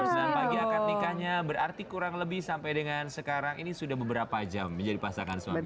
jam sembilan pagi akan nikahnya berarti kurang lebih sampai dengan sekarang ini sudah beberapa jam menjadi pasangan suami istri